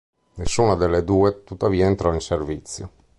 Nessuna delle due tuttavia entrò in servizio.